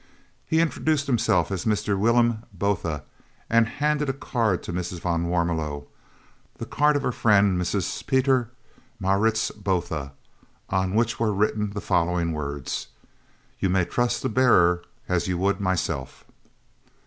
He introduced himself as Mr. Willem Botha and handed a card to Mrs. van Warmelo, the card of her friend Mrs. Pieter Maritz Botha, on which were written the following words, "You may trust the bearer as you would myself."